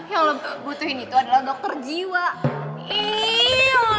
yang allah butuhin itu adalah dokter jiwa